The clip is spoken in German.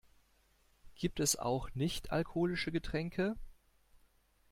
Gibt es auch nicht-alkoholische Getränke?